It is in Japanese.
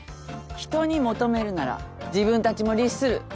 人に求めるなら自分たちも律する。